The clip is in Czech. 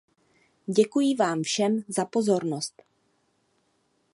Děkuji vám všem za pozornost.